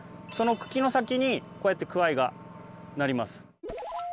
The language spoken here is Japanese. その茎の先にこうやってくわいがなります。